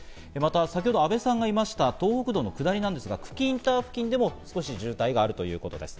また先ほど阿部さんがいました東北道の下りなんですが、久喜インター付近でも少し渋滞があるということです。